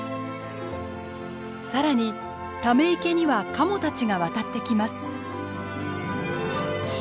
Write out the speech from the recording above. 更にため池にはカモたちが渡ってきます。